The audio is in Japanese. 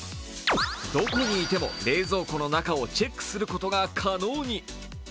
どこにいても冷蔵庫の中をチェックすることが可能に。